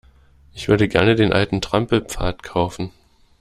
Ich würde gerne den alten Trampelpfad kaufen.